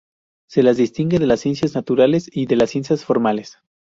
Se las distingue de las ciencias naturales y de las ciencias formales.